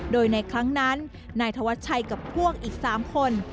โดยในครั้งนั้นนายธวัชชัยกับพวกอีก๓คน